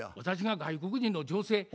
私が外国人の女性？